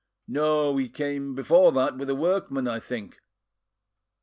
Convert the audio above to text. "No, he came before that, with a workman I think.